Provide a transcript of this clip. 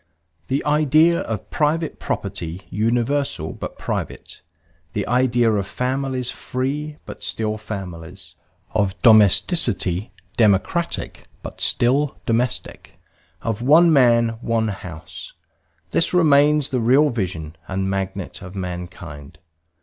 The idea of private property universal but private, the idea of families free but still families, of domesticity democratic but still domestic, of one man one house this remains the real vision and magnet of mankind.